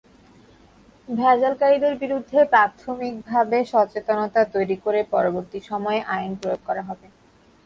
ভেজালকারীদের বিরুদ্ধে প্রাথমিকভাবে সচেতনতা তৈরি করে পরবর্তী সময়ে আইন প্রয়োগ করা হবে।